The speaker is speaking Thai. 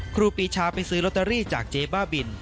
ครูปีชาไปซื้อลอตเตอรี่จากเจ๊บ้าบิน